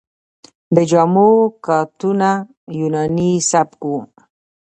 د جامو کاتونه یوناني سبک و